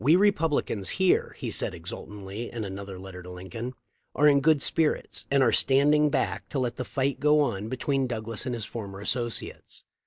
.. 'publicans here," he said exultingly in another letter to Lincoln, "are in good spirits, and are standing back to let the fight go on between Douglas and his former associates.